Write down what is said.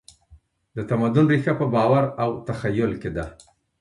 د تمدن ریښه په باور او تخیل کې ده.